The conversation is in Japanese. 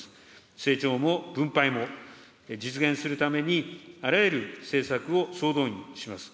成長も分配も実現するために、あらゆる政策を総動員します。